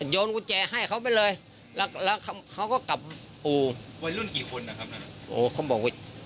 โยนกุญแจให้เขาไปเลยแล้วแล้วเขาก็กลับอูวันรุ่นกี่คนอ่ะครับน่ะโอ้